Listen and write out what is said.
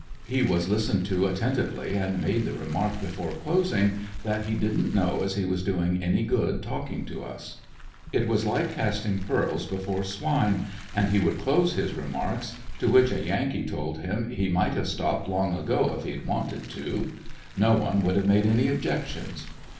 He was listened to atten tively and made the remark before closing that he didn't know as he was doing any good talking to us. It was like casting pearls be fore swine and he would close his remarks, to which a Yankee told him he might have stopped long ago if he had wanted to ; no one would have made any objections.